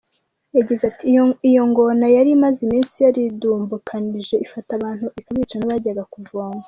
Yagize ati “Iyo ngona yari imaze iminsi yaridumbukanije ifata abantu ikabica n’abajyaga kuvomamo.